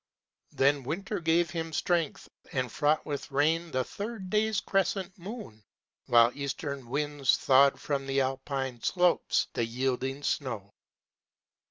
Then winter gave him strength, and fraught with rain The third day's crescent moon; while Eastern winds Thawed from the Alpine slopes the yielding snow.